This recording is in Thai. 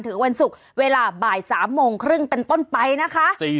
วันศุกร์เวลาบ่าย๓โมงครึ่งเป็นต้นไปนะคะ